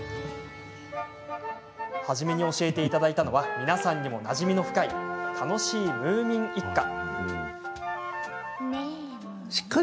初めに教えていただいたのは皆さんにもなじみの深い「たのしいムーミン一家」。